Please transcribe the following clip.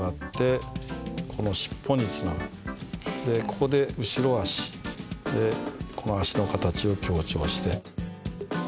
ここで後ろ足この足の形を強調して。